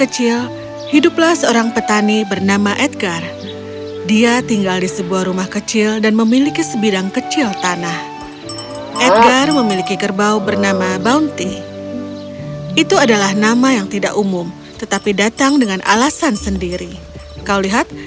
cerita dalam bahasa indonesia